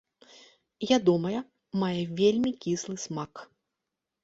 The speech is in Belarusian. Ядомая, мае вельмі кіслы смак.